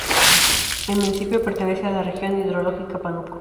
El municipio pertenece a la región hidrológica Pánuco.